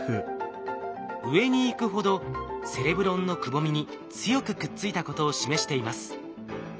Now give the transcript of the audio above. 上に行くほどセレブロンのくぼみに強くくっついたことを示しています。